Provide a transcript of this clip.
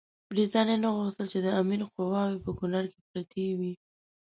برټانیې نه غوښتل چې د امیر قواوې په کونړ کې پرتې وي.